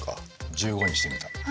１５にしてみた。